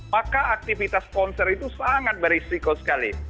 maka aktivitas konser itu sangat berisiko sekali